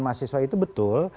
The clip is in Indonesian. teman teman mahasiswa itu betul